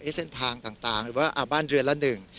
เส้นทางต่างหรือว่าบ้านเรือนละหนึ่ง